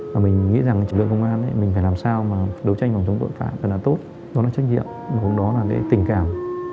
và mình nghĩ rằng lực lượng công an mình phải làm sao mà đấu tranh phòng chống tội phạm là tốt đó là trách nhiệm đó là tình cảm